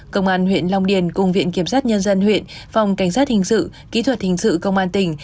công an huyện long điền cùng viện kiểm sát nhân dân huyện phòng cảnh sát hình sự kỹ thuật hình sự công an tỉnh